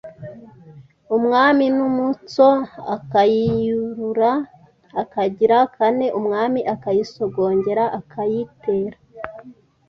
Umwami n’Umutsoe akayiyirura akagira kane Umwami akayisogongera akayitera